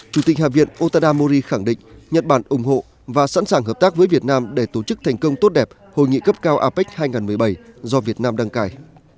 chủ tịch hạ viện otada mori khẳng định nhật bản ủng hộ và sẵn sàng hợp tác với việt nam để tổ chức thành công tốt đẹp hội nghị cấp cao apec hai nghìn một mươi bảy do việt nam đăng cài